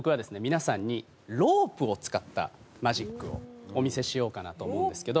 皆さんにロープを使ったマジックをお見せしようかなと思うんですけど。